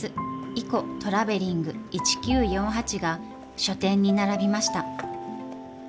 「イコトラベリング１９４８−」が書店に並びました。